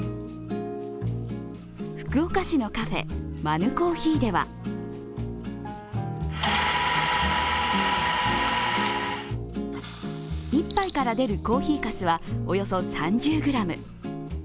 福岡市のカフェマヌコーヒーでは１杯から出るコーヒーかすは、およそ３０ｇ。